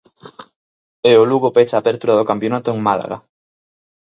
E o Lugo pecha a apertura do campionato en Málaga.